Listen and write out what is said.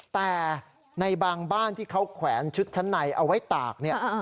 แต่ในบางบ้านที่เขาแขวนชุดชั้นในเอาไว้ตากเนี่ย